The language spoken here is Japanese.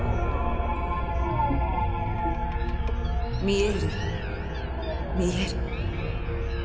見える見える。